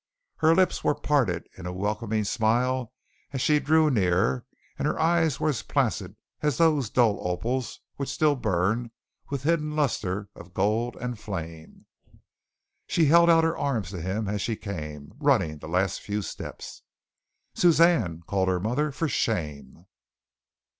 Her lips were parted in a welcoming smile as she drew near and her eyes were as placid as those dull opals which still burn with a hidden lustre of gold and flame. She held out her arms to him as she came, running the last few steps. "Suzanne!" called her mother. "For shame!"